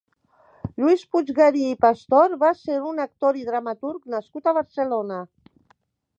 Lluís Puiggarí i Pastor va ser un actor i dramaturg nascut a Barcelona.